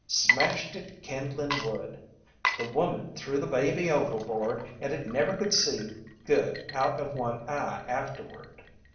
Smashed it to kindlin' wood. The woman threw the baby overboard and it never could see good out of one eye afterward.